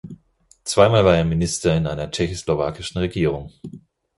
Zweimal war er Minister in einer tschechoslowakischen Regierung.